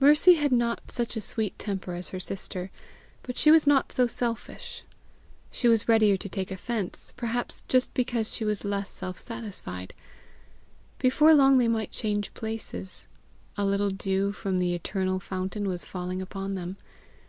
Mercy had not such a sweet temper as her sister, but she was not so selfish. She was readier to take offence, perhaps just because she was less self satisfied. Before long they might change places. A little dew from the eternal fountain was falling upon them.